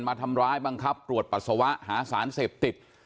มาทำร้ายบังคับตรวจปัสสาวะหาสารเสพติด